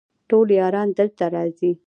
ټول یاران دلته راځي